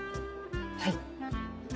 はい。